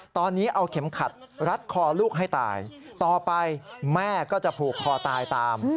ตอนนี้เอาเข็มขัดรัดคอลูกให้ตายต่อไปแม่ก็จะผูกคอตายตาม